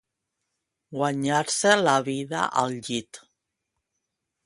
Guanyar-se la vida al llit.